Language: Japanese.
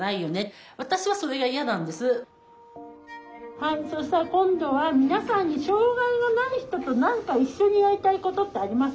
はいそしたら今度は皆さんに障害がない人と何か一緒にやりたいことってあります？